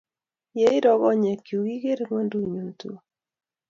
Ye iro konyek chuk, ikere ng'wendunyun tukul.